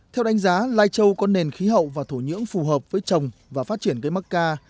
theo đánh giá lai châu có nền khí hậu và thổ nhưỡng phù hợp với trồng và phát triển cây mắc ca